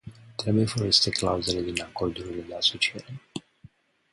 Trebuie folosite clauzele din acordurile de asociere.